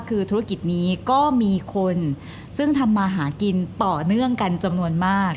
คือธุรกิจนี้ก็มีคนซึ่งทำมาหากินต่อเนื่องกันจำนวนมาก